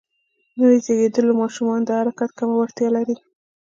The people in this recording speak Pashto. نوو زېږیدليو ماشومان د حرکت کمه وړتیا لرله.